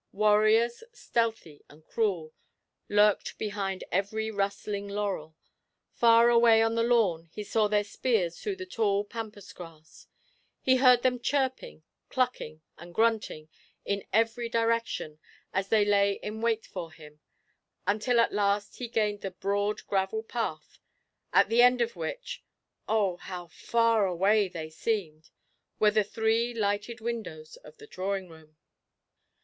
Warriors, stealthy and cruel, lurked behind every rustling laurel; far away on the lawn he saw their spears through the tall pampas grass; he heard them chirping, clucking, and grunting in every direction as they lay in wait for him, until at last he gained the broad gravel path, at the end of which oh, how far away they seemed! were the three lighted windows of the drawing room.